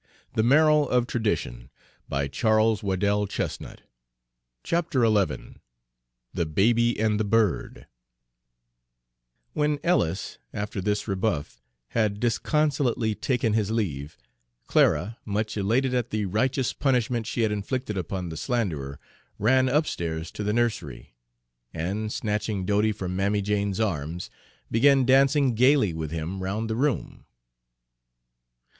You can tell her all the interesting news about your friends!" XI THE BABY AND THE BIRD When Ellis, after this rebuff, had disconsolately taken his leave, Clara, much elated at the righteous punishment she had inflicted upon the slanderer, ran upstairs to the nursery, and, snatching Dodie from Mammy Jane's arms, began dancing gayly with him round the room.